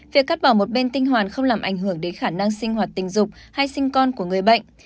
việc cắt bỏ một bên tinh hoàn không làm ảnh hưởng đến khả năng sinh hoạt tình dục hay sinh con của người bệnh